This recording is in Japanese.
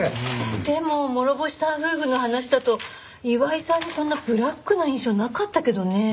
でも諸星さん夫婦の話だと岩井さんにそんなブラックな印象なかったけどね。